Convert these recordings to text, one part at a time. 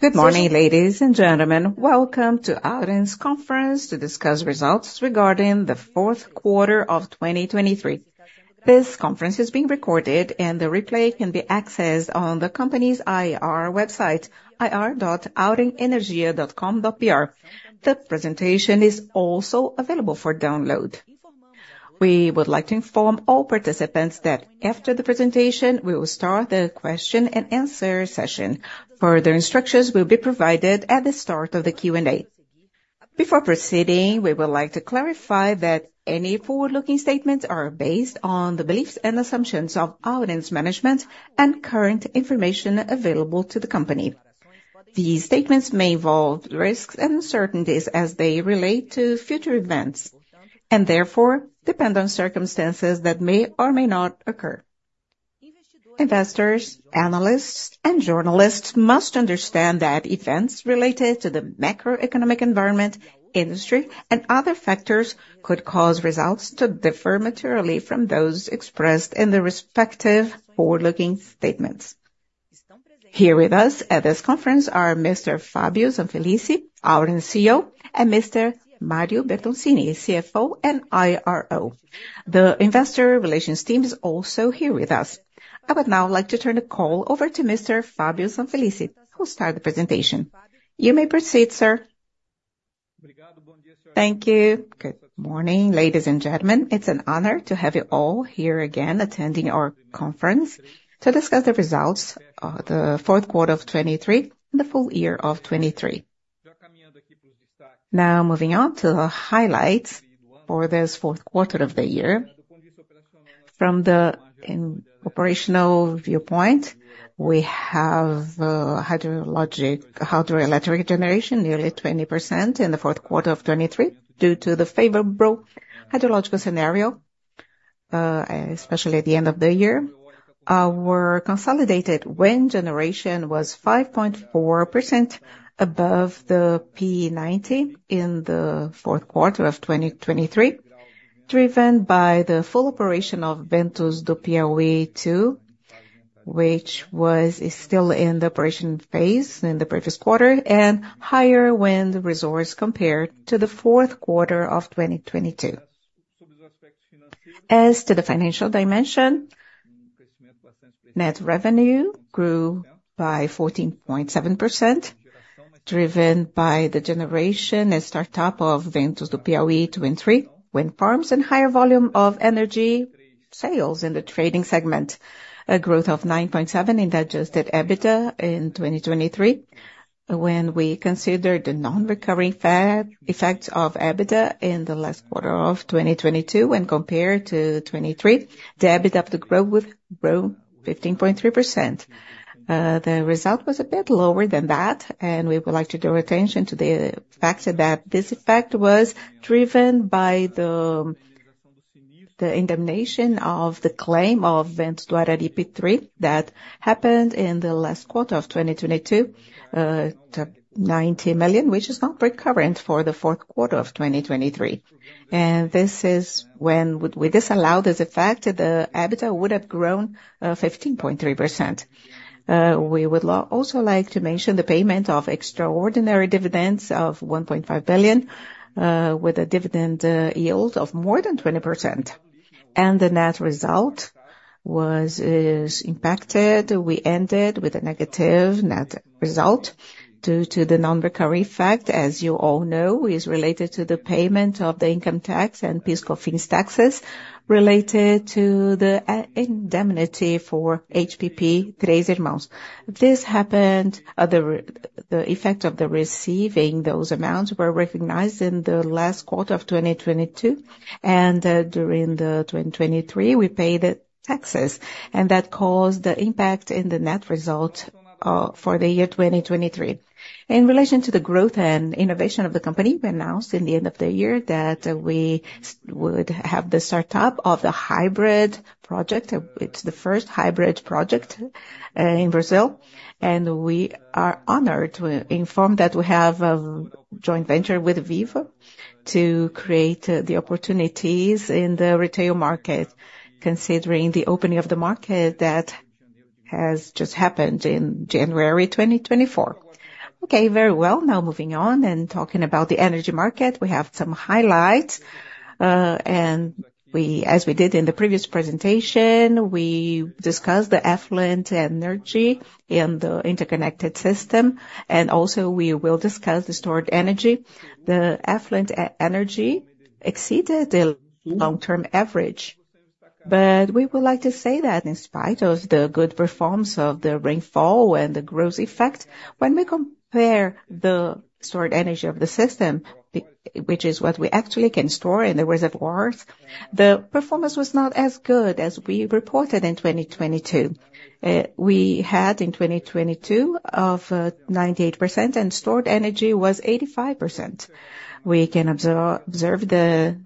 Good morning, ladies and gentlemen. Welcome to Auren's conference to discuss results regarding the fourth quarter of 2023. This conference is being recorded, and the replay can be accessed on the company's IR website, ir.aurenergia.com.br. The presentation is also available for download. We would like to inform all participants that after the presentation, we will start the question and answer session. Further instructions will be provided at the start of the Q&A. Before proceeding, we would like to clarify that any forward-looking statements are based on the beliefs and assumptions of Auren's management and current information available to the company. These statements may involve risks and uncertainties as they relate to future events, and therefore depend on circumstances that may or may not occur. Investors, analysts, and journalists must understand that events related to the macroeconomic environment, industry, and other factors could cause results to differ materially from those expressed in the respective forward-looking statements. Here with us at this conference are Mr. Fabio Zanfelice, Auren's CEO, and Mr. Mario Bertoncini, CFO and IRO. The investor relations team is also here with us. I would now like to turn the call over to Mr. Fabio Zanfelice, who'll start the presentation. You may proceed, sir. Thank you. Good morning, ladies and gentlemen. It's an honor to have you all here again, attending our conference to discuss the results of the fourth quarter of 2023 and the full year of 2023. Now, moving on to the highlights for this fourth quarter of the year. From the operational viewpoint, we have hydrologic, hydroelectric generation nearly 20% in the fourth quarter of 2023, due to the favorable hydrological scenario, especially at the end of the year. Our consolidated wind generation was 5.4% above the P90 in the fourth quarter of 2023, driven by the full operation of Ventos do Piauí II, which was, is still in the operation phase in the previous quarter, and higher wind resource compared to the fourth quarter of 2022. As to the financial dimension, net revenue grew by 14.7%, driven by the generation and startup of Ventos do Piauí II and III, wind farms and higher volume of energy sales in the trading segment. A growth of 9.7% in the adjusted EBITDA in 2023. When we consider the non-recurring effects of EBITDA in the last quarter of 2022 when compared to 2023, the EBITDA have to grow with, grow 15.3%. The result was a bit lower than that, and we would like to draw attention to the fact that this effect was driven by the indemnification of the claim of Ventos do Araripe III that happened in the last quarter of 2022 to 90 million, which is not recurrent for the fourth quarter of 2023. With this allowed as a fact, the EBITDA would have grown 15.3%. We would also like to mention the payment of extraordinary dividends of 1.5 billion with a dividend yield of more than 20%, and the net result was, is impacted. We ended with a negative net result due to the non-recovery fact, as you all know, is related to the payment of the income tax and PIS/Cofins taxes related to the indemnity for HPP Três Irmãos. This happened, the effect of the receiving those amounts were recognized in the last quarter of 2022, and during the 2023, we paid the taxes, and that caused the impact in the net result for the year 2023. In relation to the growth and innovation of the company, we announced in the end of the year that we would have the startup of the hybrid project. It's the first hybrid project in Brazil, and we are honored to inform that we have a joint venture with Vivo to create the opportunities in the retail market, considering the opening of the market that has just happened in January 2024. Okay, very well. Now, moving on and talking about the energy market. We have some highlights, and we, as we did in the previous presentation, we discussed the affluent energy in the interconnected system, and also, we will discuss the stored energy. The affluent energy exceeded the long-term average, but we would like to say that in spite of the good performance of the rainfall and the growth effect, when we compare the stored energy of the system, the, which is what we actually can store in the reservoirs, the performance was not as good as we reported in 2022. We had in 2022 of 98%, and stored energy was 85%. We can observe the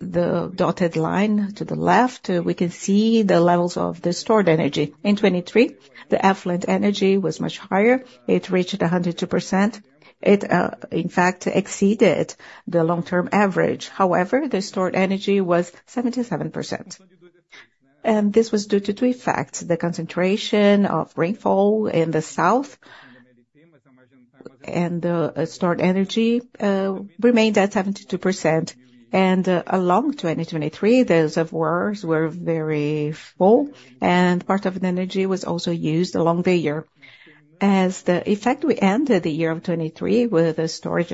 dotted line to the left; we can see the levels of the stored energy. In 2023, the affluent energy was much higher. It reached 102%. It in fact exceeded the long-term average. However, the stored energy was 77%.... And this was due to two effects, the concentration of rainfall in the south, and the stored energy remained at 72%. And along 2023, the reservoirs were very full, and part of the energy was also used along the year. As the effect, we ended the year of 2023 with a storage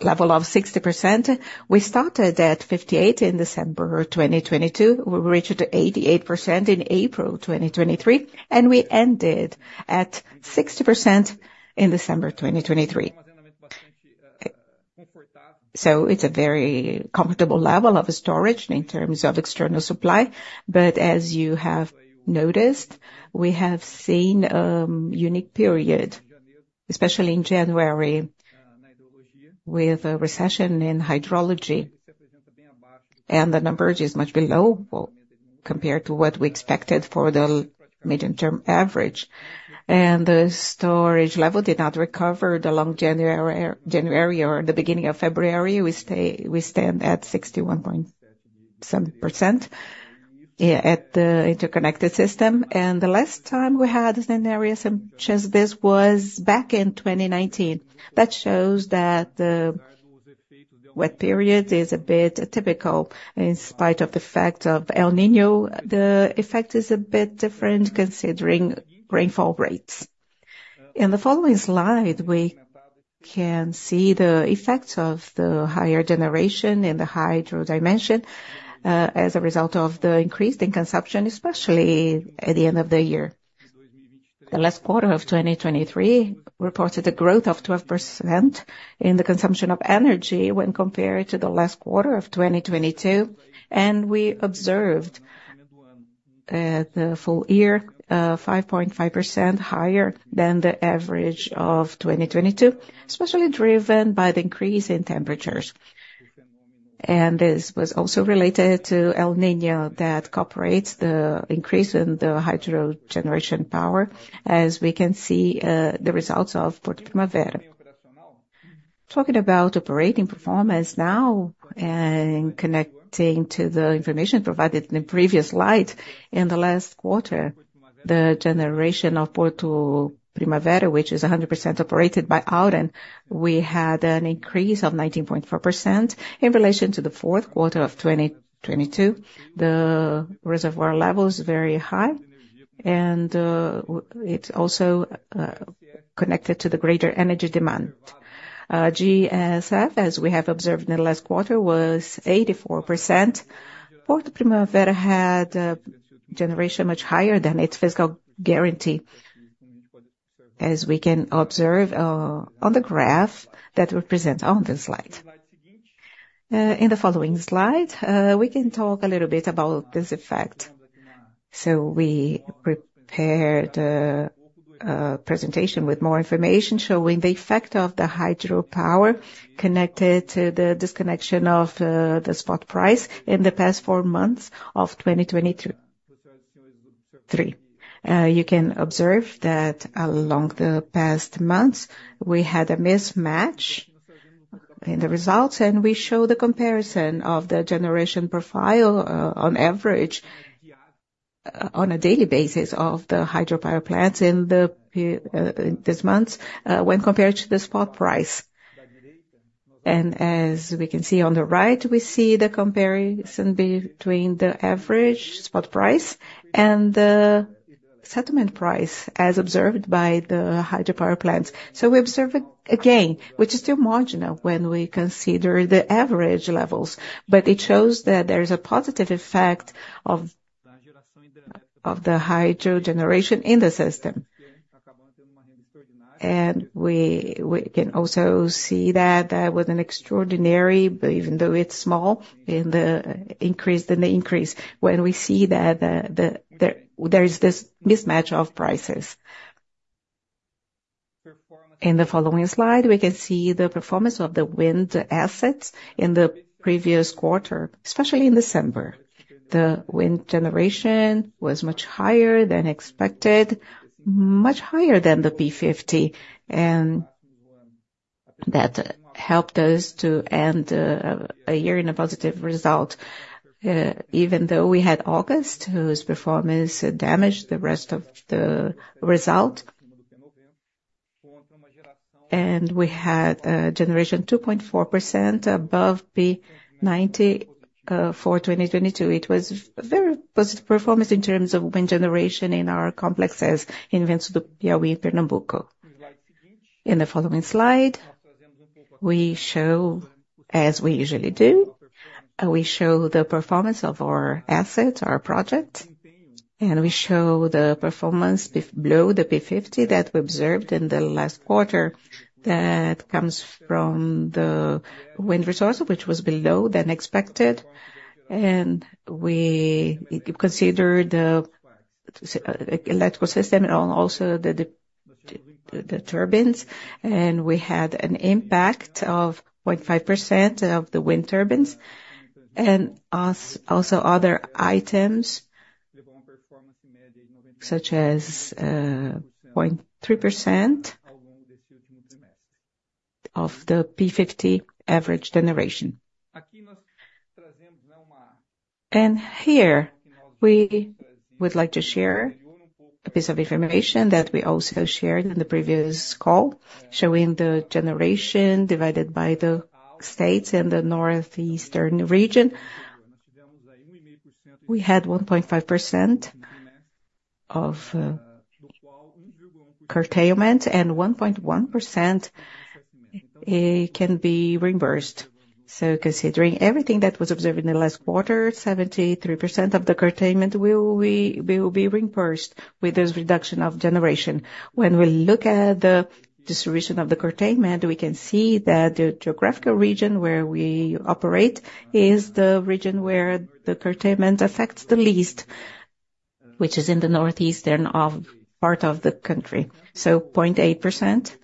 level of 60%. We started at 58 in December 2022, we reached 88% in April 2023, and we ended at 60% in December 2023. So it's a very comfortable level of storage in terms of external supply, but as you have noticed, we have seen a unique period, especially in January, with a recession in hydrology, and the number is much below what compared to what we expected for the medium-term average. And the storage level did not recover along January or the beginning of February. We stand at 61.7%, yeah, at the interconnected system. And the last time we had a scenario similar to this was back in 2019. That shows that the wet period is a bit typical in spite of the fact of El Niño. The effect is a bit different considering rainfall rates. In the following slide, we can see the effects of the higher generation in the hydro dimension, as a result of the increase in consumption, especially at the end of the year. The last quarter of 2023 reported a growth of 12% in the consumption of energy when compared to the last quarter of 2022, and we observed, the full year, 5.5% higher than the average of 2022, especially driven by the increase in temperatures. This was also related to El Niño, that cooperates the increase in the hydro generation power, as we can see, the results of Porto Primavera. Talking about operating performance now and connecting to the information provided in the previous slide. In the last quarter, the generation of Porto Primavera, which is 100% operated by Auren, we had an increase of 19.4% in relation to the fourth quarter of 2022. The reservoir level is very high, and it's also connected to the greater energy demand. GSF, as we have observed in the last quarter, was 84%. Porto Primavera had generation much higher than its physical guarantee, as we can observe on the graph that we present on this slide. In the following slide, we can talk a little bit about this effect. So we prepared a presentation with more information showing the effect of the hydropower connected to the disconnection of the spot price in the past four months of 2023. You can observe that along the past months, we had a mismatch in the results, and we show the comparison of the generation profile, on average, on a daily basis of the hydropower plants in this month, when compared to the spot price. As we can see on the right, we see the comparison between the average spot price and the settlement price as observed by the hydropower plants. We observe it again, which is still marginal when we consider the average levels, but it shows that there is a positive effect of the hydro generation in the system. We can also see that there was an extraordinary, but even though it's small, in the increase, than the increase, when we see that there is this mismatch of prices. In the following slide, we can see the performance of the wind assets in the previous quarter, especially in December. The wind generation was much higher than expected, much higher than the P50, and that helped us to end a year in a positive result. Even though we had August, whose performance damaged the rest of the result, and we had generation 2.4% above P90 for 2022. It was a very positive performance in terms of wind generation in our complexes in Ventos do Piauí, Pernambuco. In the following slide, we show, as we usually do, we show the performance of our assets, our project, and we show the performance below the P50 that we observed in the last quarter. That comes from the wind resource, which was below than expected, and we considered the electrical system and also the turbines, and we had an impact of 0.5% of the wind turbines and also other items, such as 0.3% of the P50 average generation. And here, we would like to share a piece of information that we also shared in the previous call, showing the generation divided by the states in the northeastern region. We had 1.5% of curtailment, and 1.1% can be reimbursed. So considering everything that was observed in the last quarter, 73% of the curtailment will be reimbursed with this reduction of generation. When we look at the distribution of the curtailment, we can see that the geographical region where we operate is the region where the curtailment affects the least, which is in the northeastern part of the country, so 0.8%.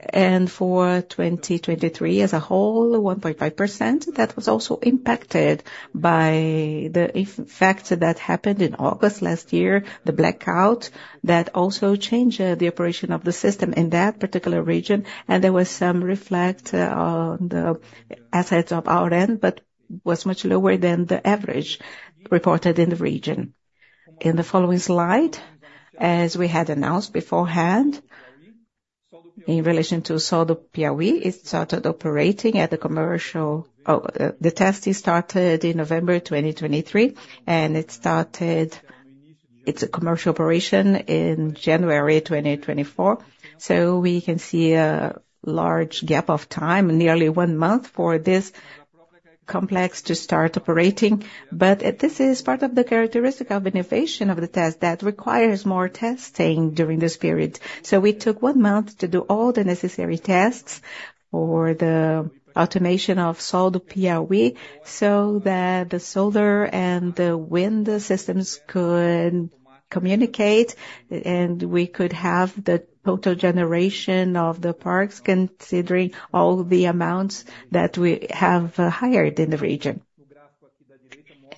And for 2023 as a whole, 1.5%, that was also impacted by the effect that happened in August last year, the blackout, that also changed the operation of the system in that particular region, and there was some reflection on the assets of Auren, but was much lower than the average reported in the region. In the following slide, as we had announced beforehand, in relation to Sol do Piauí, it started operating at a commercial the testing started in November 2023, and it started its commercial operation in January 2024. So we can see a large gap of time, nearly one month, for this complex to start operating. But this is part of the characteristic of innovation of the test that requires more testing during this period. So we took one month to do all the necessary tests for the automation of Sol do Piauí, so that the solar and the wind systems could communicate, and we could have the total generation of the parks, considering all the amounts that we have hired in the region.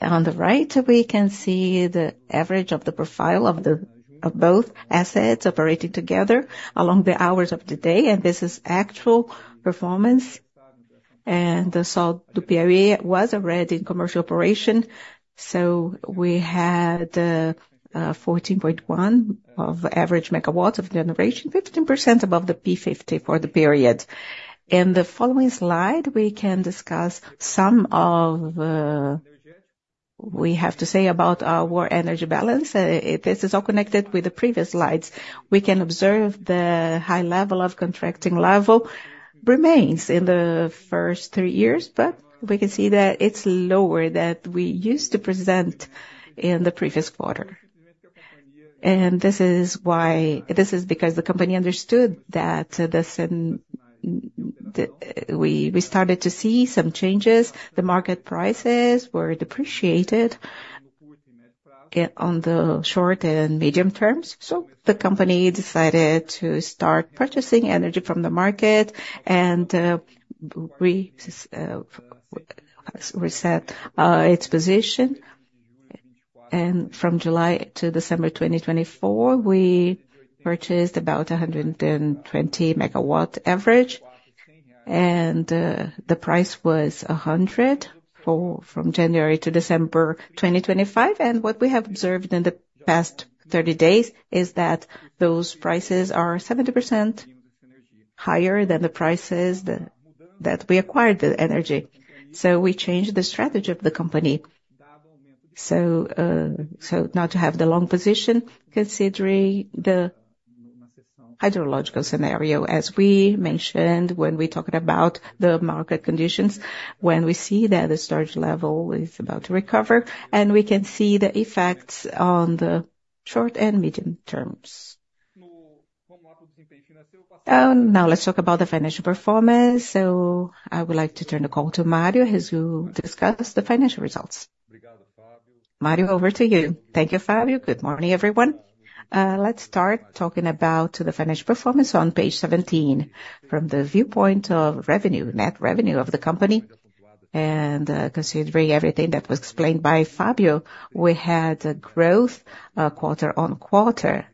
On the right, we can see the average of the profile of the, of both assets operating together along the hours of the day, and this is actual performance. And the Sol do Piauí was already in commercial operation, so we had 14.1 average megawatts of generation, 15% above the P50 for the period. In the following slide, we can discuss some of what we have to say about our energy balance. This is all connected with the previous slides. We can observe the high level of contracting level remains in the first three years, but we can see that it's lower than we used to present in the previous quarter. And this is why—this is because the company understood that the certain. We started to see some changes. The market prices were depreciated on the short and medium terms, so the company decided to start purchasing energy from the market, and we reset its position. And from July to December 2024, we purchased about 120 MW average, and the price was 100 from January to December 2025. What we have observed in the past 30 days is that those prices are 70% higher than the prices that we acquired the energy. So we changed the strategy of the company. So, so now to have the long position, considering the hydrological scenario, as we mentioned when we talked about the market conditions, when we see that the storage level is about to recover, and we can see the effects on the short and medium terms. Now let's talk about the financial performance. So I would like to turn the call to Mario, as he will discuss the financial results. Mario, over to you. Thank you, Fabio. Good morning, everyone. Let's start talking about the financial performance on page 17. From the viewpoint of revenue, net revenue of the company, and, considering everything that was explained by Fabio, we had a growth, quarter-on-quarter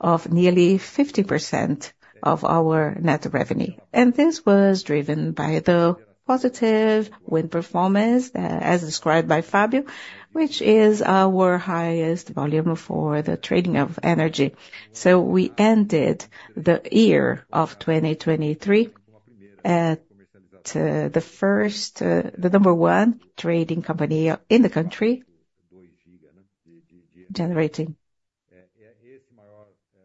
of nearly 50% of our net revenue. And this was driven by the positive wind performance, as described by Fabio, which is our highest volume for the trading of energy. So we ended the year of 2023, at the first, the number one trading company in the country, generating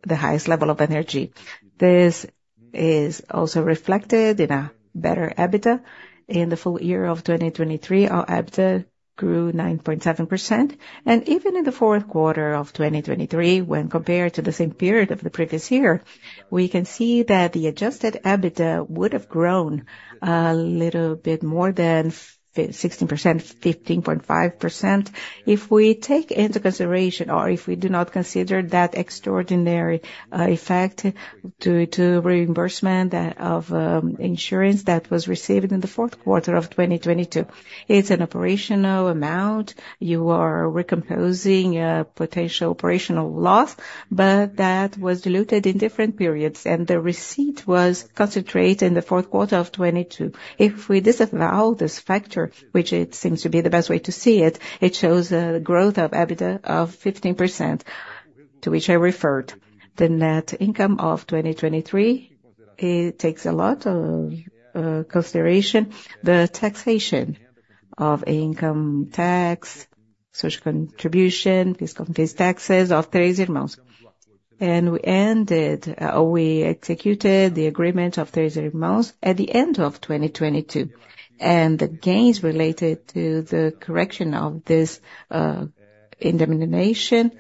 the highest level of energy. This is also reflected in a better EBITDA. In the full year of 2023, our EBITDA grew 9.7%, and even in the fourth quarter of 2023, when compared to the same period of the previous year, we can see that the adjusted EBITDA would have grown a little bit more than 16%, 15.5%. If we take into consideration or if we do not consider that extraordinary effect due to reimbursement of insurance that was received in the fourth quarter of 2022, it's an operational amount. You are recomposing a potential operational loss, but that was diluted in different periods, and the receipt was concentrated in the fourth quarter of 2022. If we disavow this factor, which it seems to be the best way to see it, it shows a growth of EBITDA of 15%.... To which I referred, the net income of 2023, it takes a lot of consideration. The taxation of income tax, social contribution, PIS, COFINS taxes of 30 months. We ended, we executed the agreement of 30 months at the end of 2022, and the gains related to the correction of this indemnification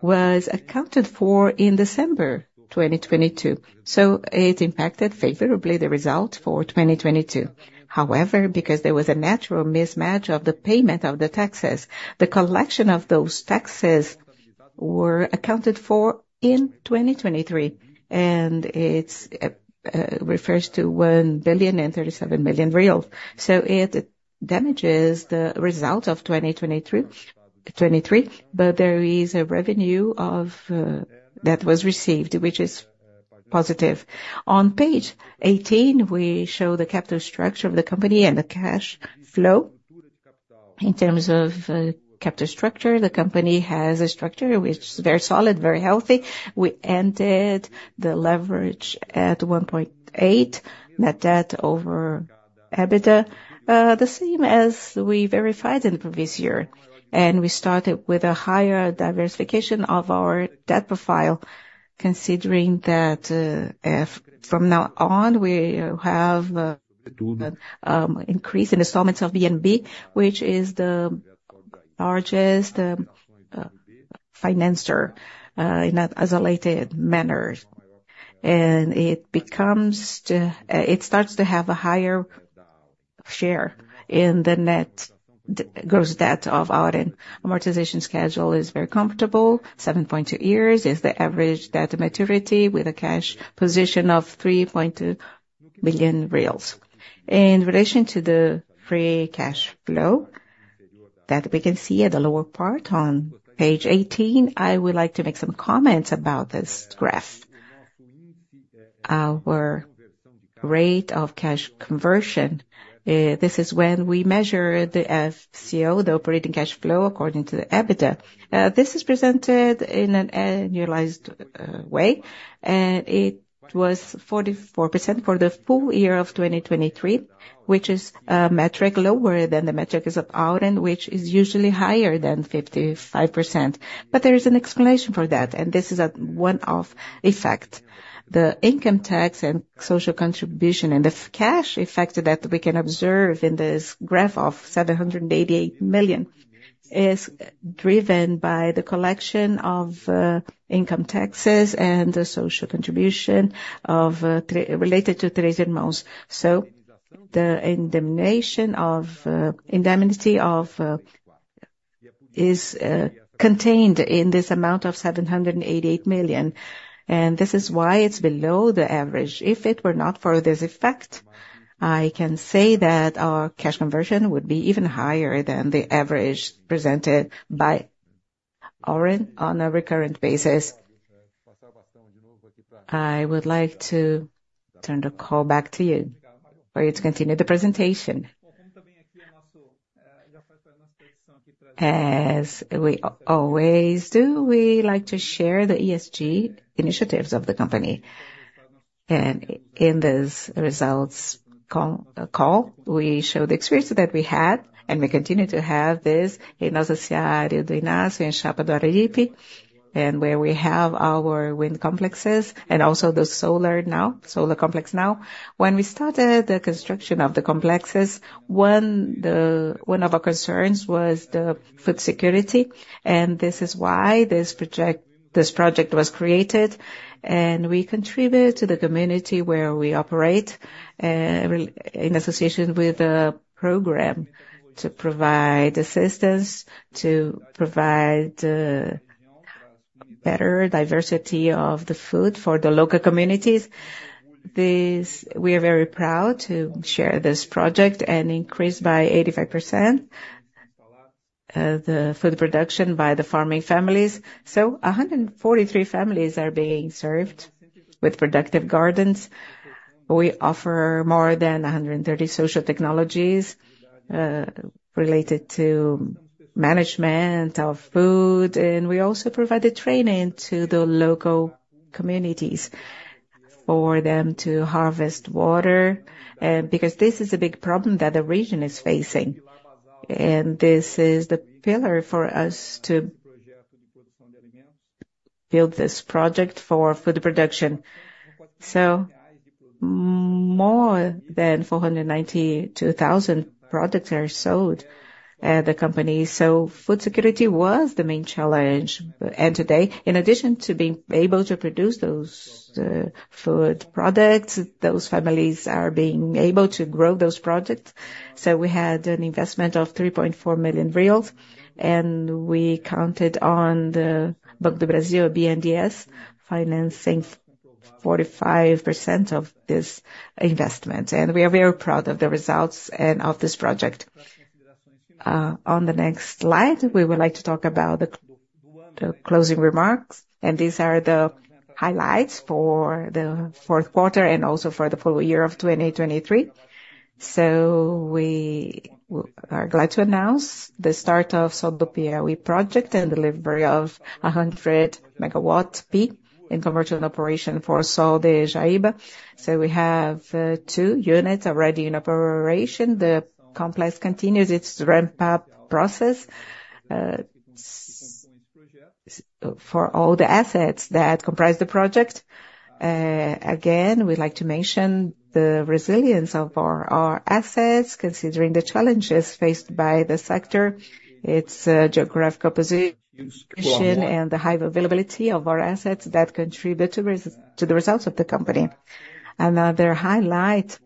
was accounted for in December 2022, so it impacted favorably the result for 2022. However, because there was a natural mismatch of the payment of the taxes, the collection of those taxes were accounted for in 2023, and it refers to 1,037 million reais. So it damages the result of 2023, 2023, but there is a revenue of that was received, which is positive. On page 18, we show the capital structure of the company and the cash flow. In terms of capital structure, the company has a structure which is very solid, very healthy. We ended the leverage at 1.8, net debt over EBITDA, the same as we verified in the previous year. We started with a higher diversification of our debt profile, considering that, if from now on, we have, increase in installments of BNB, which is the largest, financier, in an isolated manner. It becomes, it starts to have a higher share in the net gross debt of our end. Amortization schedule is very comfortable. 7.2 years is the average debt maturity with a cash position of 3.2 billion reais. In relation to the free cash flow that we can see at the lower part on page 18, I would like to make some comments about this graph. Our rate of cash conversion, this is when we measure the FCO, the operating cash flow, according to the EBITDA. This is presented in an annualized way, and it was 44% for the full year of 2023, which is a metric lower than the metric is of Auren, which is usually higher than 55%. But there is an explanation for that, and this is a one-off effect. The income tax and social contribution, and the cash effect that we can observe in this graph of 788 million, is driven by the collection of income taxes and the social contribution of related to 30 months. So the indemnification is contained in this amount of 788 million, and this is why it's below the average. If it were not for this effect, I can say that our cash conversion would be even higher than the average presented by Auren on a recurrent basis. I would like to turn the call back to you, for you to continue the presentation. As we always do, we like to share the ESG initiatives of the company. In this results call, we show the experience that we had, and we continue to have this in Serra do Inácio and Chapada do Araripe, and where we have our wind complexes and also the solar now, solar complex now. When we started the construction of the complexes, one of our concerns was the food security, and this is why this project, this project was created, and we contribute to the community where we operate, in association with a program to provide assistance, to provide better diversity of the food for the local communities. This, we are very proud to share this project and increase by 85%, the food production by the farming families. So 143 families are being served with productive gardens. We offer more than 130 social technologies, related to management of food, and we also provide the training to the local communities for them to harvest water, because this is a big problem that the region is facing. And this is the pillar for us to build this project for food production. More than 492,000 products are sold, the company. Food security was the main challenge. Today, in addition to being able to produce those food products, those families are being able to grow those products. We had an investment of 3.4 million reais, and we counted on Banco do Brasil, BNDES, financing 45% of this investment. We are very proud of the results and of this project. On the next slide, we would like to talk about the closing remarks, and these are the highlights for the fourth quarter, and also for the full year of 2023. We are glad to announce the start of Sol do Piauí project and delivery of 100 megawatt peak in commercial operation for Sol de Jaíba. We have two units already in operation. The complex continues its ramp-up process for all the assets that comprise the project. Again, we'd like to mention the resilience of our assets, considering the challenges faced by the sector, its geographic position, and the high availability of our assets that contribute to the results of the company. Another highlight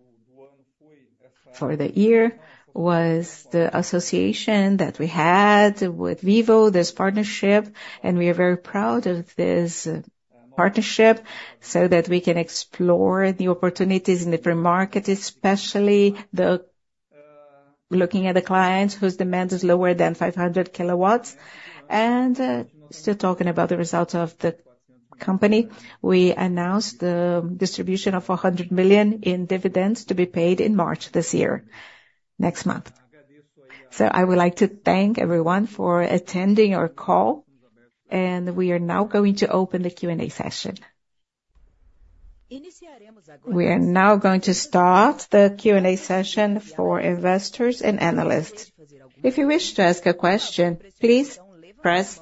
for the year was the association that we had with Vivo, this partnership, and we are very proud of this partnership, so that we can explore the opportunities in the free market, especially looking at the clients whose demand is lower than 500 kilowatts. Still talking about the results of the company, we announced the distribution of 100 million in dividends to be paid in March this year, next month. So I would like to thank everyone for attending our call, and we are now going to open the Q&A session. We are now going to start the Q&A session for investors and analysts. If you wish to ask a question, please press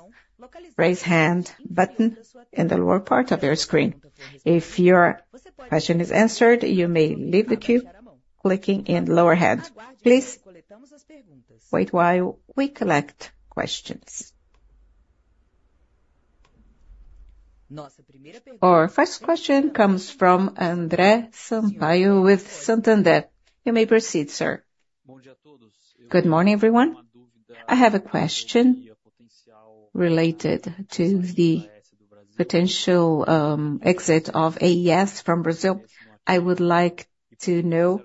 raise hand button in the lower part of your screen. If your question is answered, you may leave the queue, clicking in lower hand. Please wait while we collect questions. Our first question comes from Andre Sampaio with Santander. You may proceed, sir. Good morning, everyone. I have a question related to the potential exit of AES from Brazil. I would like to know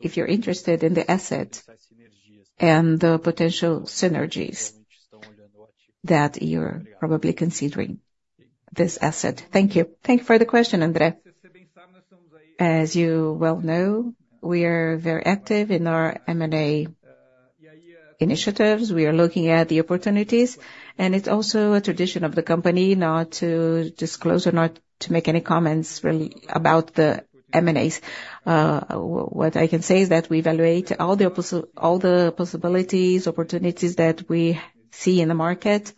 if you're interested in the asset, and the potential synergies that you're probably considering this asset. Thank you. Thank you for the question, Andre. As you well know, we are very active in our M&A initiatives. We are looking at the opportunities, and it's also a tradition of the company not to disclose or not to make any comments, really, about the M&As. What I can say is that we evaluate all the possibilities, opportunities that we see in the market.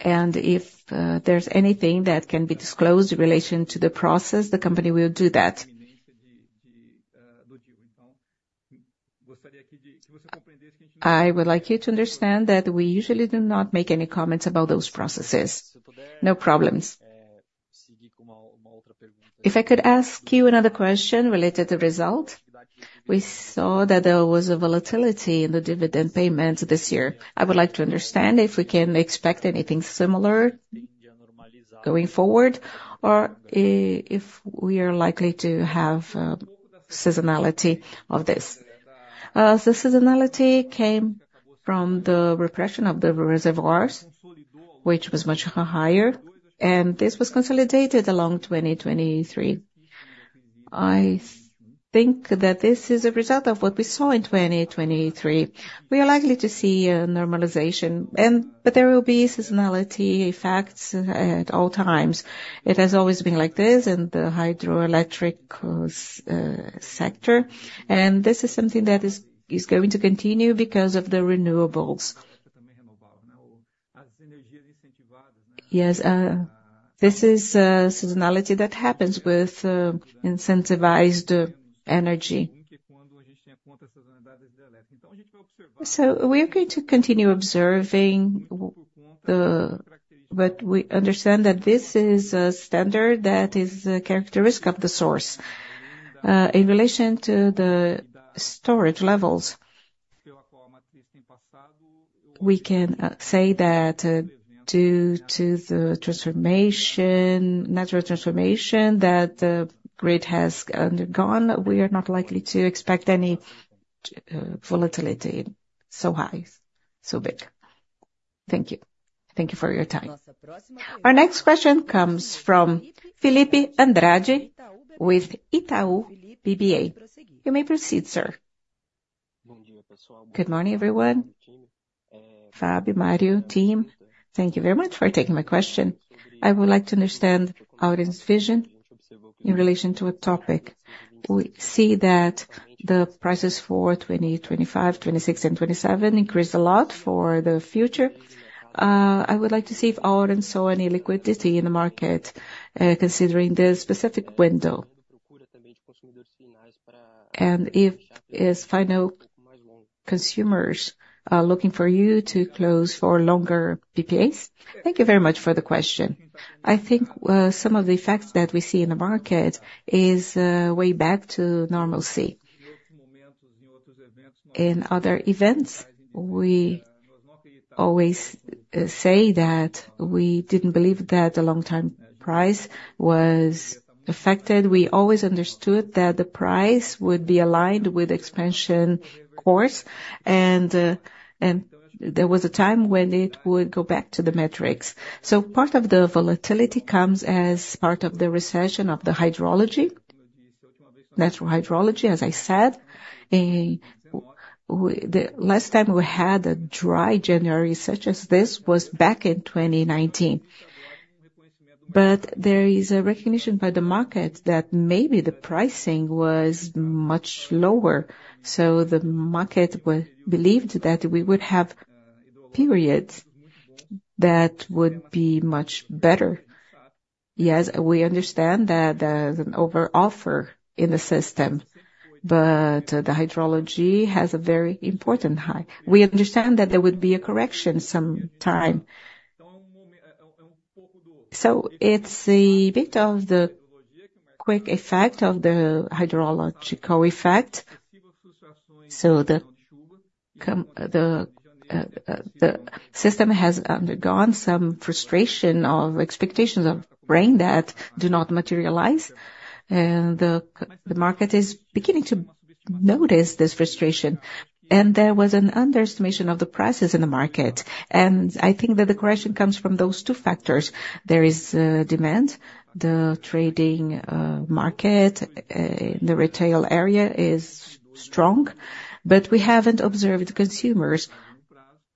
And if there's anything that can be disclosed in relation to the process, the company will do that. I would like you to understand that we usually do not make any comments about those processes. No problems. If I could ask you another question related to result. We saw that there was a volatility in the dividend payments this year. I would like to understand if we can expect anything similar going forward, or if we are likely to have seasonality of this? The seasonality came from the repression of the reservoirs, which was much higher, and this was consolidated along 2023. I think that this is a result of what we saw in 2023. We are likely to see a normalization and but there will be seasonality effects at all times. It has always been like this in the hydroelectric sector, and this is something that is going to continue because of the renewables. Yes, this is a seasonality that happens with incentivized energy. So we are going to continue observing. But we understand that this is a standard that is a characteristic of the source. In relation to the storage levels, we can say that due to the transformation, natural transformation, that the grid has undergone, we are not likely to expect any volatility so high, so big. Thank you. Thank you for your time. Our next question comes from Felipe Andrade with Itaú BBA. You may proceed, sir. Good morning, everyone. Fabi, Mario, team, thank you very much for taking my question. I would like to understand Auren's vision in relation to a topic. We see that the prices for 2025, 2026, and 2027 increased a lot for the future. I would like to see if Auren saw any liquidity in the market, considering this specific window. And if its final consumers are looking for you to close for longer PPAs? Thank you very much for the question. I think some of the effects that we see in the market is way back to normalcy. In other events, we always say that we didn't believe that the long-term price was affected. We always understood that the price would be aligned with expansion course, and and there was a time when it would go back to the metrics. So part of the volatility comes as part of the recession of the hydrology, natural hydrology, as I said. The last time we had a dry January, such as this, was back in 2019. But there is a recognition by the market that maybe the pricing was much lower, so the market believed that we would have periods that would be much better. Yes, we understand that there's an over offer in the system, but the hydrology has a very important high. We understand that there would be a correction sometime. So it's a bit of the quick effect of the hydrological effect, so the system has undergone some frustration of expectations of rain that do not materialize, and the market is beginning to notice this frustration. And there was an underestimation of the prices in the market, and I think that the correction comes from those two factors. There is demand, the trading market, the retail area is strong, but we haven't observed consumers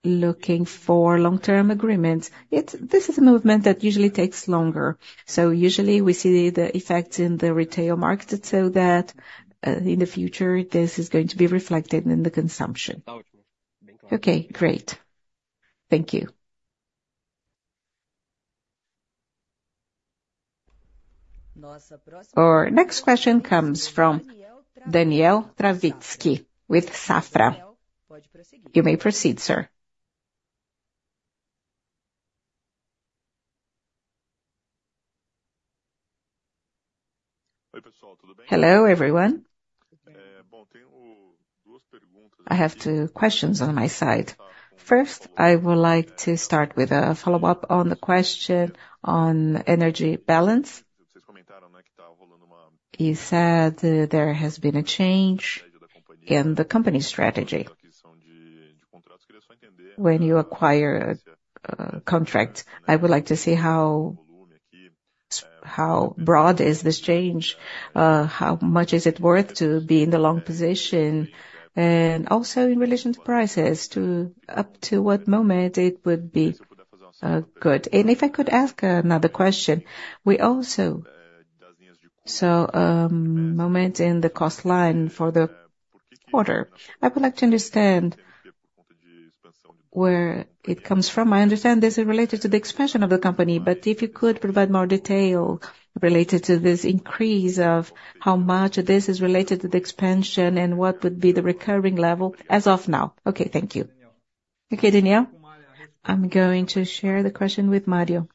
looking for long-term agreements. This is a movement that usually takes longer. So usually we see the effect in the retail market, so that, in the future, this is going to be reflected in the consumption. Okay, great. Thank you. Our next question comes from Daniel Travitzky with Safra. You may proceed, sir. Hello, everyone. I have two questions on my side. First, I would like to start with a follow-up on the question on energy balance. You said that there has been a change in the company's strategy. When you acquire a contract, I would like to see how, how broad is this change? How much is it worth to be in the long position, and also in relation to prices, to-- up to what moment it would be good? And if I could ask another question: We also saw moment in the cost line for the quarter. I would like to understand where it comes from. I understand this is related to the expansion of the company, but if you could provide more detail related to this increase, of how much this is related to the expansion, and what would be the recurring level as of now. Okay, thank you. Okay, Daniel. I'm going to share the question with Mario.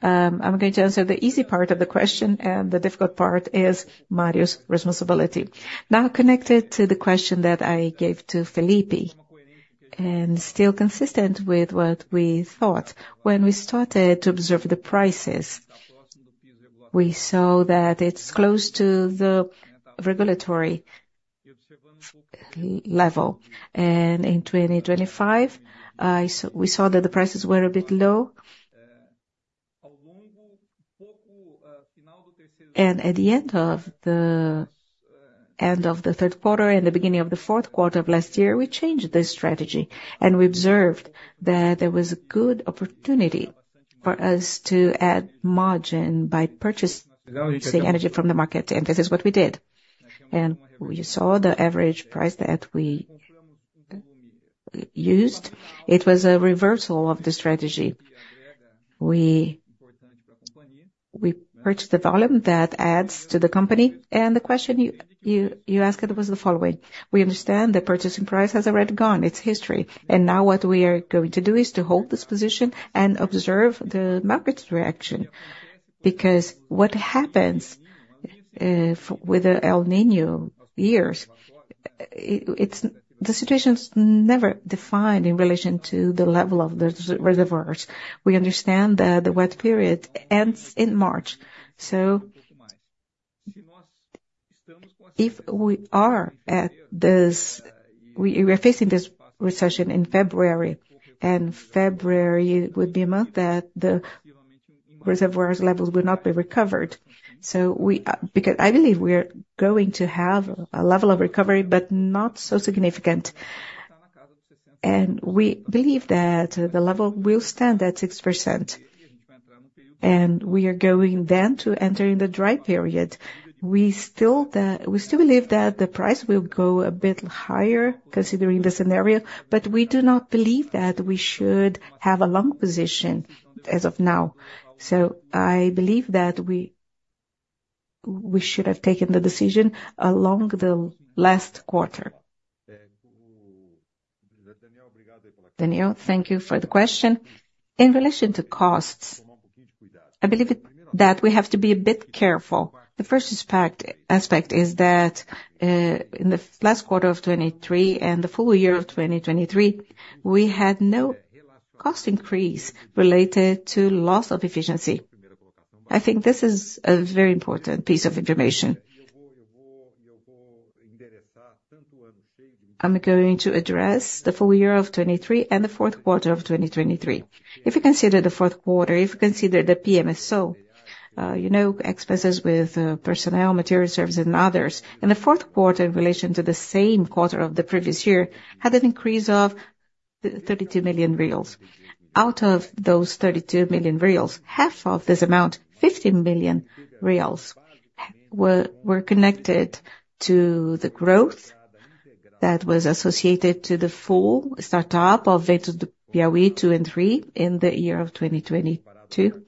I'm going to answer the easy part of the question, and the difficult part is Mario's responsibility. Now, connected to the question that I gave to Felipe, and still consistent with what we thought when we started to observe the prices, we saw that it's close to the regulatory level. And in 2025, so we saw that the prices were a bit low. And at the end of the third quarter and the beginning of the fourth quarter of last year, we changed the strategy, and we observed that there was a good opportunity for us to add margin by purchasing energy from the market, and this is what we did. And we saw the average price that we used. It was a reversal of the strategy. We purchased the volume that adds to the company, and the question you asked it was the following: We understand the purchasing price has already gone, it's history, and now what we are going to do is to hold this position and observe the market's reaction. Because what happens with the El Niño years, it's the situation's never defined in relation to the level of the reservoirs. We understand that the wet period ends in March. So if we are at this, we're facing this recession in February, and February would be a month that the reservoirs levels will not be recovered. Because I believe we are going to have a level of recovery, but not so significant. We believe that the level will stand at 6%, and we are going then to enter in the dry period. We still believe that the price will go a bit higher, considering the scenario, but we do not believe that we should have a long position as of now. So I believe that we, we should have taken the decision along the last quarter. Daniel, thank you for the question. In relation to costs... I believe that we have to be a bit careful. The first aspect is that, in the last quarter of 2023 and the full year of 2023, we had no cost increase related to loss of efficiency. I think this is a very important piece of information. I'm going to address the full year of 2023 and the fourth quarter of 2023. If you consider the fourth quarter, if you consider the PMSO, you know, expenses with personnel, material services, and others. In the fourth quarter, in relation to the same quarter of the previous year, had an increase of 32 million reais. Out of those 32 million reais, half of this amount, 15 million reais, were connected to the growth that was associated to the full startup of Ventos do Piauí II and III in the year of 2022,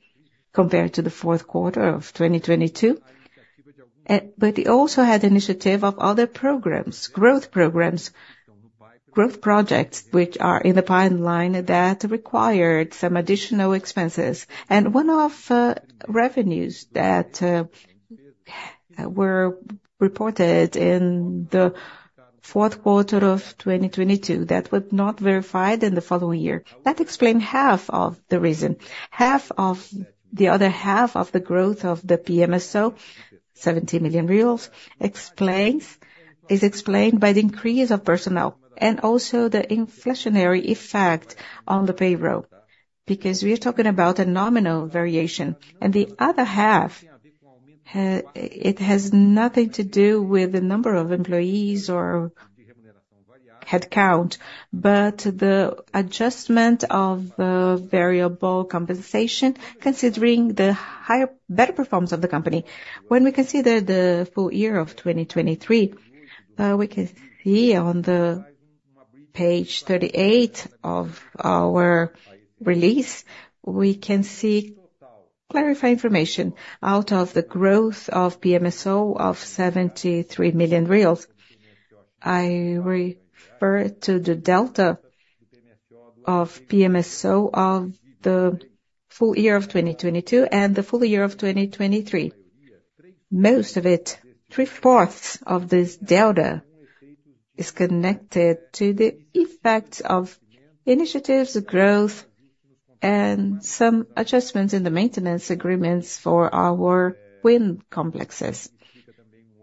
compared to the fourth quarter of 2022. But it also had initiative of other programs, growth programs, growth projects, which are in the pipeline that required some additional expenses. And one-off revenues that were reported in the fourth quarter of 2022, that were not verified in the following year. That explained half of the reason. The other half of the growth of the PMSO, 17 million reais, is explained by the increase of personnel and also the inflationary effect on the payroll, because we are talking about a nominal variation. And the other half, it has nothing to do with the number of employees or headcount, but the adjustment of the variable compensation, considering the higher, better performance of the company. When we consider the full year of 2023, we can see on the page 38 of our release, we can see clarifying information. Out of the growth of PMSO of 73 million reais, I refer to the delta of PMSO of the full year of 2022 and the full year of 2023. Most of it, three-fourths of this delta, is connected to the effect of initiatives, growth, and some adjustments in the maintenance agreements for our wind complexes.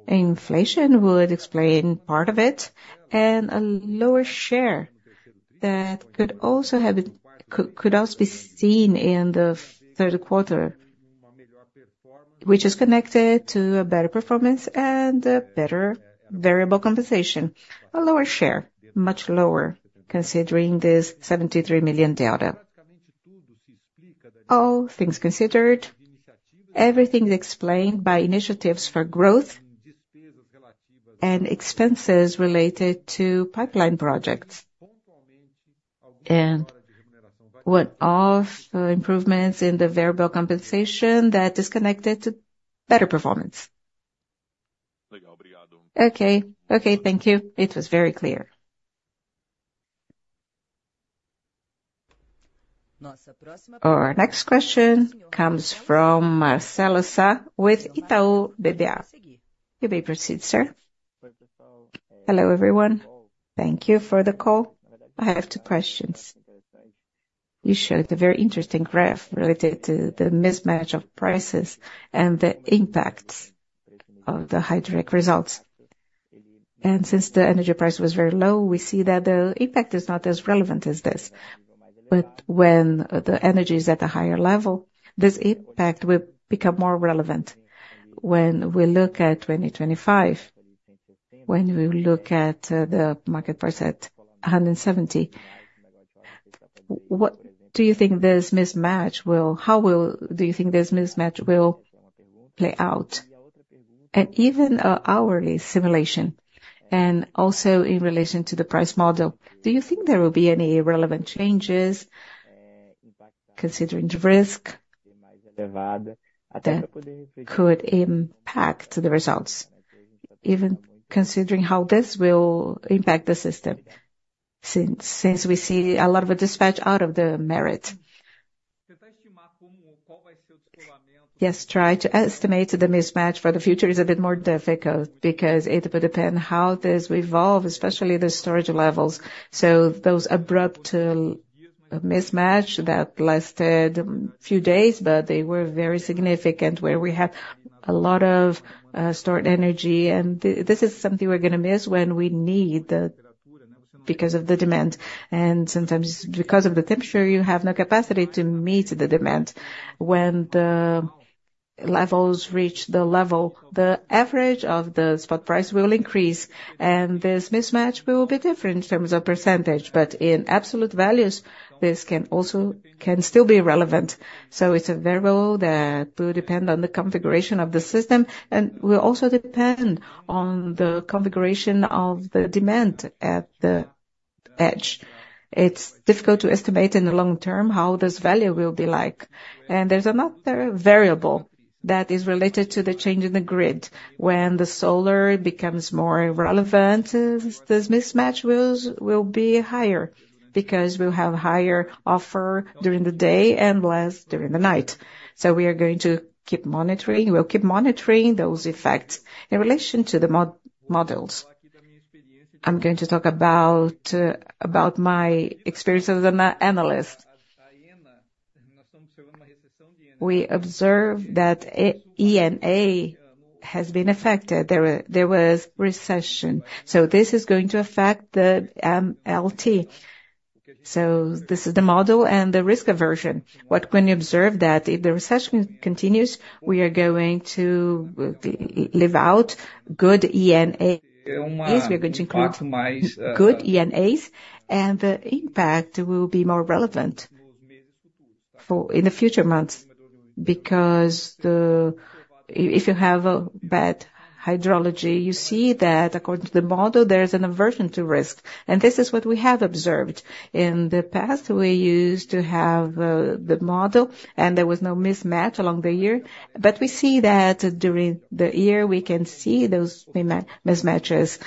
Inflation would explain part of it, and a lower share that could also be seen in the third quarter, which is connected to a better performance and a better variable compensation. A lower share, much lower, considering this 73 million delta. All things considered, everything is explained by initiatives for growth and expenses related to pipeline projects, and what I call improvements in the variable compensation that is connected to better performance. Okay. Okay, thank you. It was very clear. Our next question comes from Marcelo Sá with Itaú BBA. You may proceed, sir. Hello, everyone. Thank you for the call. I have two questions. You showed a very interesting graph related to the mismatch of prices and the impact of the hydroelectric results. Since the energy price was very low, we see that the impact is not as relevant as this. But when the energy is at a higher level, this impact will become more relevant. When we look at 2025, when we look at the market price at 170, how will this mismatch play out, do you think? And even hourly simulation, and also in relation to the price model, do you think there will be any relevant changes, considering the risk that could impact the results? Even considering how this will impact the system, since we see a lot of dispatch out of the merit. Yes, try to estimate the mismatch for the future is a bit more difficult, because it will depend how this will evolve, especially the storage levels. So those abrupt mismatch that lasted a few days, but they were very significant, where we have a lot of stored energy, and this is something we're gonna miss when we need the, because of the demand. And sometimes, because of the temperature, you have no capacity to meet the demand. When the levels reach the level, the average of the spot price will increase, and this mismatch will be different in terms of percentage. But in absolute values, this can also, can still be relevant. So it's a variable that will depend on the configuration of the system, and will also depend on the configuration of the demand at the edge. It's difficult to estimate in the long term how this value will be like, and there's another variable. That is related to the change in the grid. When the solar becomes more relevant, this mismatch will be higher, because we'll have higher offer during the day and less during the night. So we are going to keep monitoring those effects. In relation to the models, I'm going to talk about my experience as an analyst. We observed that ENA has been affected. There was recession, so this is going to affect the LT. So this is the model and the risk aversion. What can you observe that if the recession continues, we are going to live out good ENAs. We are going to include good ENAs, and the impact will be more relevant for in the future months, because if you have a bad hydrology, you see that according to the model, there is an aversion to risk, and this is what we have observed. In the past, we used to have the model, and there was no mismatch along the year. But we see that during the year, we can see those mismatches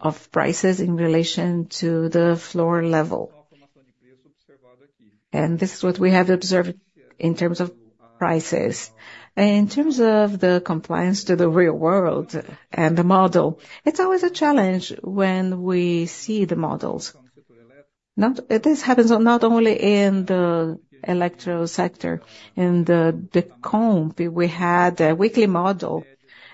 of prices in relation to the floor level. And this is what we have observed in terms of prices. And in terms of the compliance to the real world and the model, it's always a challenge when we see the models. This happens not only in the electrical sector, in the compute, we had a weekly model,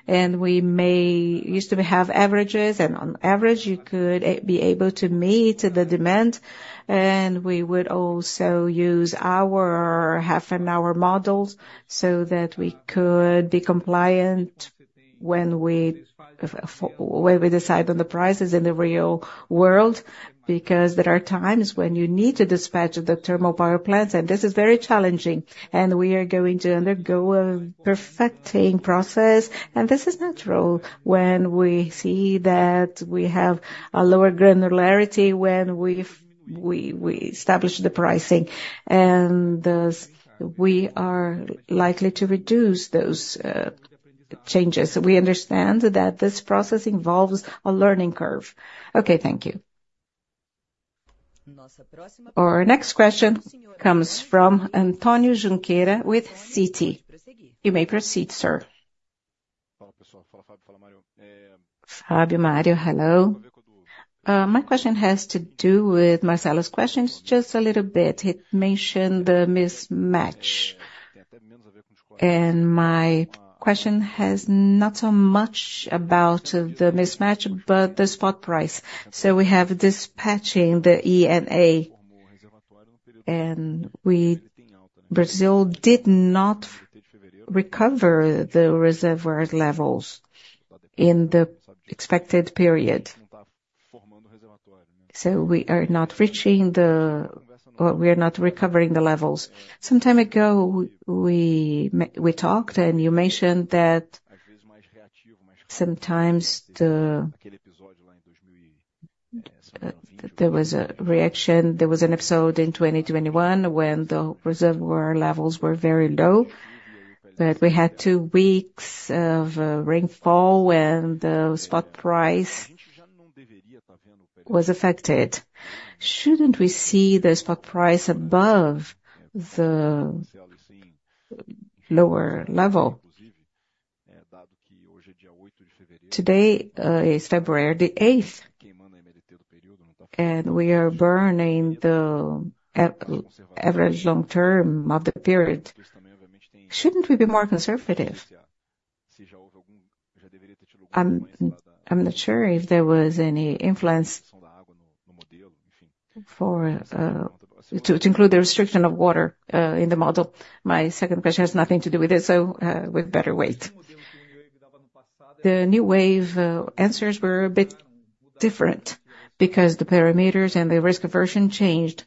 and we used to have averages, and on average, you could be able to meet the demand, and we would also use our half-hour models so that we could be compliant when we decide on the prices in the real world. Because there are times when you need to dispatch the thermal power plants, and this is very challenging, and we are going to undergo a perfecting process. And this is natural when we see that we have a lower granularity, when we establish the pricing, and thus, we are likely to reduce those changes. We understand that this process involves a learning curve. Okay, thank you. Our next question comes from Antonio Junqueira with Citi. You may proceed, sir. Fabio, Mario, hello. My question has to do with Marcelo's questions just a little bit. He mentioned the mismatch, and my question has not so much about the mismatch, but the spot price. So we have dispatching the ENA, and Brazil did not recover the reservoir levels in the expected period. So we are not recovering the levels. Some time ago, we talked, and you mentioned that sometimes there was a reaction, there was an episode in 2021 when the reservoir levels were very low, that we had two weeks of rainfall when the spot price was affected. Shouldn't we see the spot price above the lower level? Today is February the eighth, and we are burning the average long term of the period. Shouldn't we be more conservative? I'm not sure if there was any influence for, to, to include the restriction of water, in the model. My second question has nothing to do with this, so, we'd better wait. The NEWAVE, answers were a bit different because the parameters and the risk aversion changed,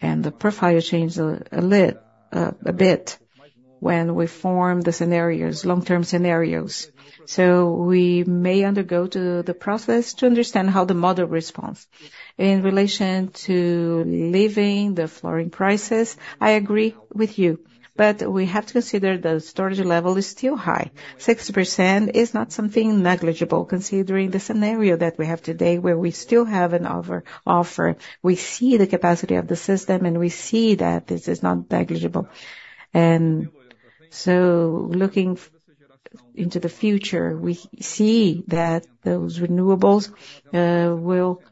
and the profile changed a bit when we formed the scenarios, long-term scenarios. So we may undergo to the process to understand how the model responds. In relation to leaving the flooring prices, I agree with you, but we have to consider the storage level is still high. 6% is not something negligible, considering the scenario that we have today, where we still have an offer. We see the capacity of the system, and we see that this is not negligible. So, looking into the future, we see that those renewables will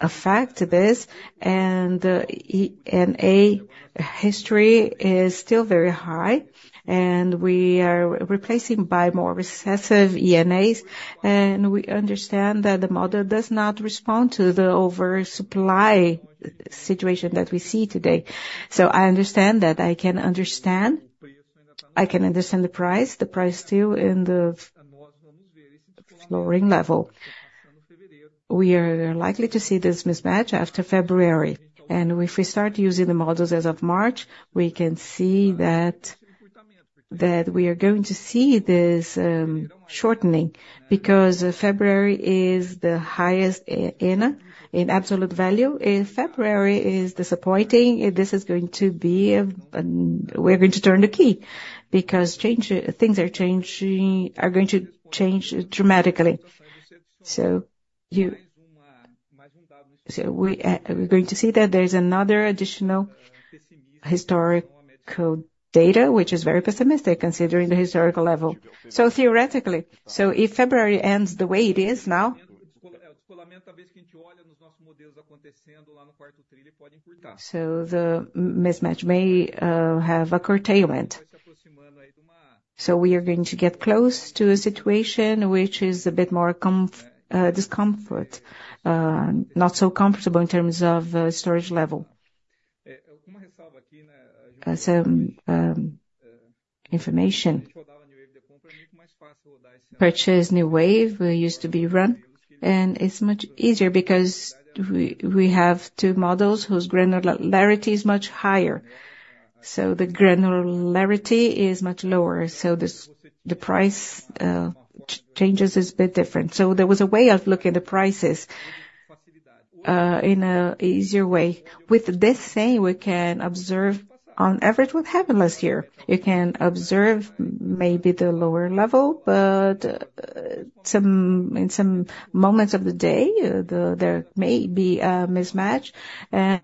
affect this, and ENA history is still very high, and we are replacing by more recessive ENAs, and we understand that the model does not respond to the oversupply situation that we see today. So I understand that. I can understand, I can understand the price, the price still in the flooring level. We are likely to see this mismatch after February, and if we start using the models as of March, we can see that we are going to see this shortening, because February is the highest in absolute value. If February is disappointing, this is going to be, we're going to turn the key, because change things are changing, are going to change dramatically. So we are going to see that there is another additional historical data, which is very pessimistic considering the historical level. So theoretically, if February ends the way it is now, the mismatch may have a curtailment. So we are going to get close to a situation which is a bit more discomfort, not so comfortable in terms of storage level. As information, purchase NEWAVE, we used to be run, and it's much easier because we have two models whose granularity is much higher. So the granularity is much lower, so this, the price changes is a bit different. So there was a way of looking at the prices in an easier way. With this saying, we can observe on average what happened last year. You can observe maybe the lower level, but in some moments of the day, there may be a mismatch. And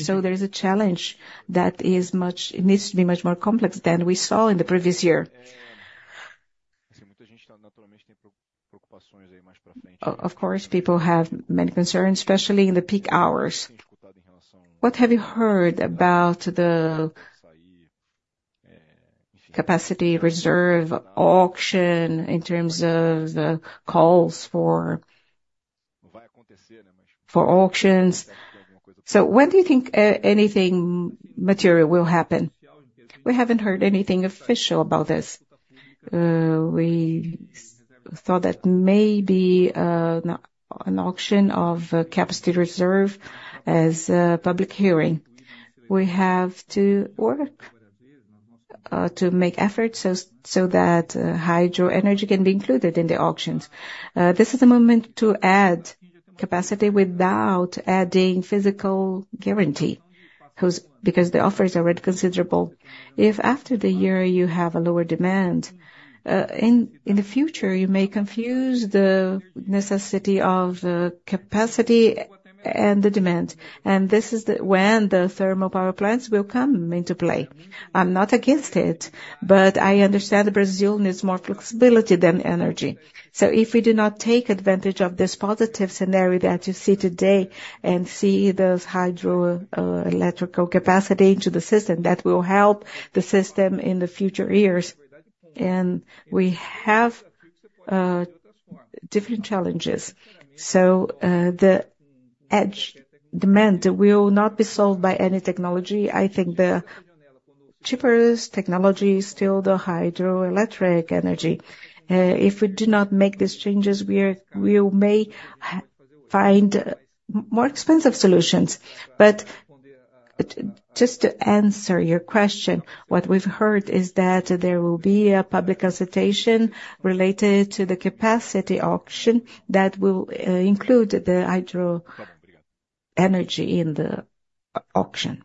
so there is a challenge that is, it needs to be much more complex than we saw in the previous year. Of course, people have many concerns, especially in the peak hours. What have you heard about the capacity reserve auction in terms of the calls for auctions? So when do you think anything material will happen? We haven't heard anything official about this. We thought that maybe an auction of a capacity reserve as a public hearing. We have to work to make efforts so that hydro energy can be included in the auctions. This is a moment to add capacity without adding physical guarantee, because the offers are already considerable. If after the year you have a lower demand in the future, you may confuse the necessity of capacity and the demand, and this is when the thermal power plants will come into play. I'm not against it, but I understand Brazil needs more flexibility than energy. So if we do not take advantage of this positive scenario that you see today and see those hydro electrical capacity into the system, that will help the system in the future years. We have different challenges. So the edge demand will not be solved by any technology. I think the cheapest technology is still the hydroelectric energy. If we do not make these changes, we may find more expensive solutions. But just to answer your question, what we've heard is that there will be a public consultation related to the capacity auction that will include the hydro energy in the auction.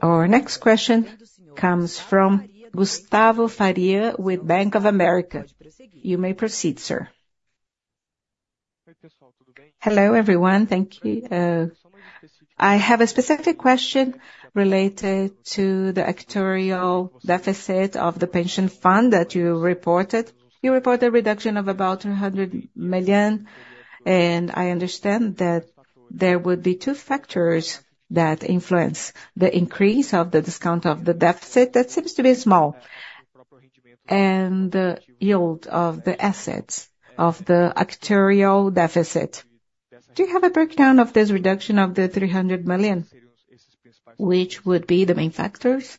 Our next question comes from Gustavo Faria with Bank of America. You may proceed, sir. Hello, everyone. Thank you. I have a specific question related to the actuarial deficit of the pension fund that you reported. You reported a reduction of about 100 million, and I understand that there would be two factors that influence the increase of the discount of the deficit, that seems to be small, and the yield of the assets of the actuarial deficit. Do you have a breakdown of this reduction of the 300 million, which would be the main factors?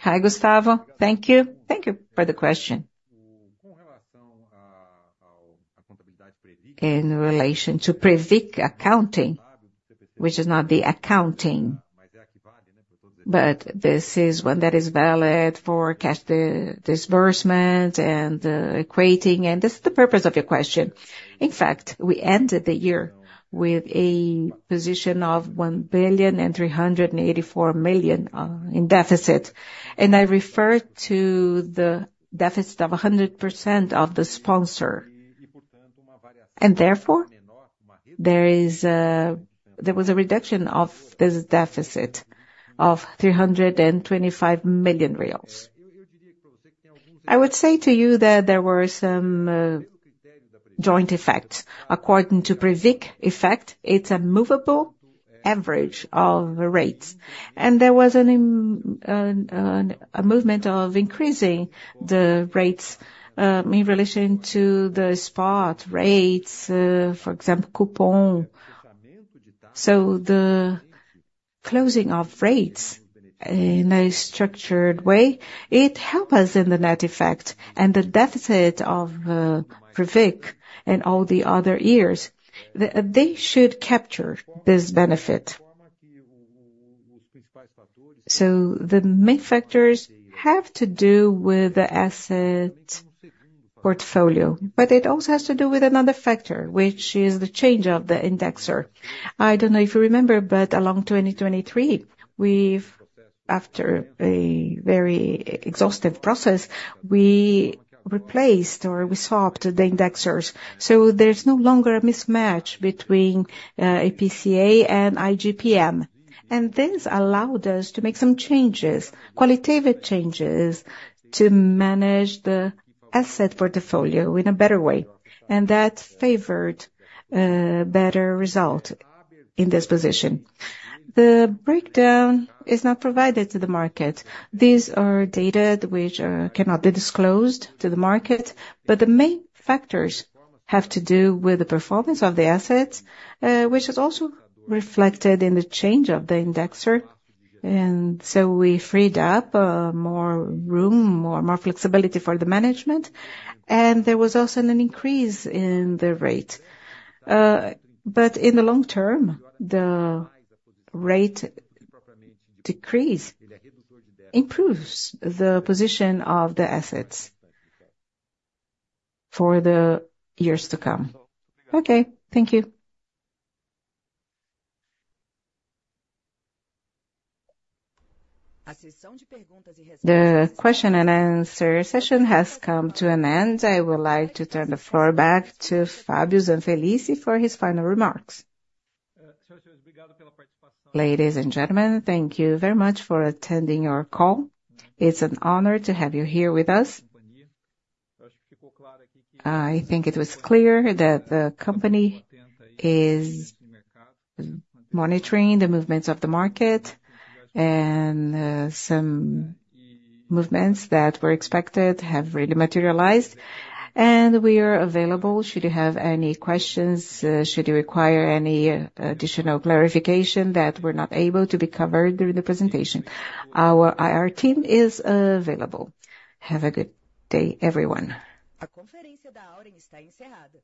Hi, Gustavo. Thank you. Thank you for the question. In relation to Previc accounting, which is not the accounting, but this is one that is valid for cash disbursement and equating, and this is the purpose of your question. In fact, we ended the year with a position of 1.384 billion in deficit, and I refer to the deficit of 100% of the sponsor. Therefore, there was a reduction of this deficit of 325 million reais. I would say to you that there were some joint effects. According to Previc effect, it's a movable average of rates, and there was a movement of increasing the rates in relation to the spot rates, for example, coupon. So the-... Closing of rates in a structured way, it help us in the net effect and the deficit of Previc and all the other years, they should capture this benefit. So the main factors have to do with the asset portfolio, but it also has to do with another factor, which is the change of the indexer. I don't know if you remember, but along 2023, we've, after a very exhaustive process, we replaced or we swapped the indexers. So there's no longer a mismatch between IPCA and IGPM, and this allowed us to make some changes, qualitative changes, to manage the asset portfolio in a better way, and that favored a better result in this position. The breakdown is not provided to the market. These are data which cannot be disclosed to the market, but the main factors have to do with the performance of the assets, which is also reflected in the change of the indexer. And so we freed up more room, more flexibility for the management, and there was also an increase in the rate. But in the long term, the rate decrease improves the position of the assets for the years to come. Okay, thank you. The question and answer session has come to an end. I would like to turn the floor back to Fabio Zanfelice for his final remarks. Ladies and gentlemen, thank you very much for attending our call. It's an honor to have you here with us. I think it was clear that the company is monitoring the movements of the market, and some movements that were expected have really materialized, and we are available should you have any questions, should you require any additional clarification that were not able to be covered during the presentation. Our IR team is available. Have a good day, everyone.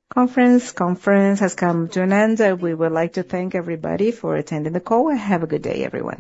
Conference has come to an end. We would like to thank everybody for attending the call, and have a good day, everyone.